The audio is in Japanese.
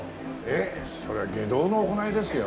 えっそれは外道の行いですよ。